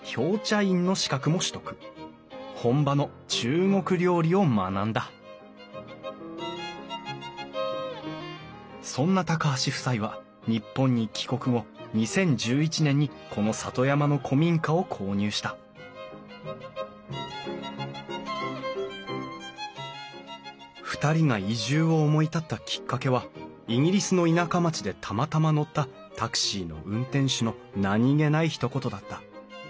本場の中国料理を学んだそんな橋夫妻は日本に帰国後２０１１年にこの里山の古民家を購入した２人が移住を思い立ったきっかけはイギリスの田舎町でたまたま乗ったタクシーの運転手の何気ないひと言だった。